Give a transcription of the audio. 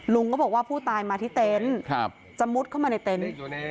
ลุงก็บอกว่าผู้ตายมาที่เต็นต์จะมุดเข้ามาในเต็นต์